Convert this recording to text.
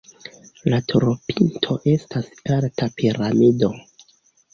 La turopinto estas alta piramido.